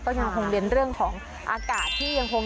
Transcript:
ก็ยังคงเน้นเรื่องของอากาศที่ยังคง